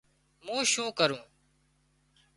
مون شُون ڪرون